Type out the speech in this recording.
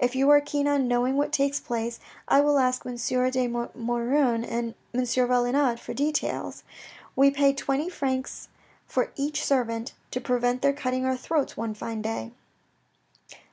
If you are keen on knowing what takes place, I will ask M. de Maugiron and M. Valenod for details. We pay twenty francs for each servant, to prevent their cutting our throats one fine day.